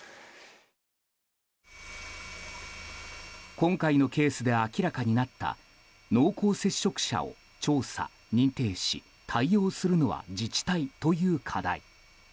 今回のケースで明らかになった濃厚接触者を調査・認定し対応するのは自治体という課題。